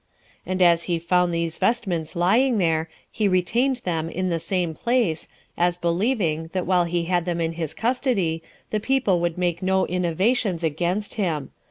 And as he found these vestments lying there, he retained them in the same place, as believing, that while he had them in his custody, the people would make no innovations against him.